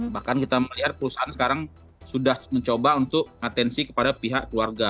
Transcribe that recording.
bahkan kita melihat perusahaan sekarang sudah mencoba untuk atensi kepada pihak keluarga